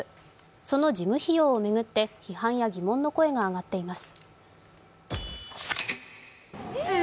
その事務費用を巡って批判や疑問の声が上がっています。